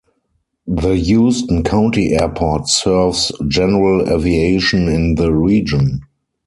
The Houston County Airport serves general aviation in the region.